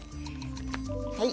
はい。